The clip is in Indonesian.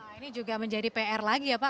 ini juga menjadi pr lagi ya pak